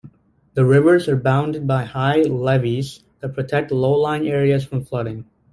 The rivers are bounded by high levees that protect low-lying areas from flooding.